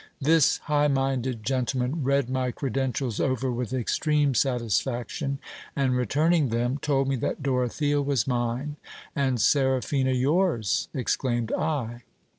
This high minded gentle man read my credentials over with extreme satisfaction, and returning them, told me that Dorothea was mine. And Seraphina yours, exclaimed I.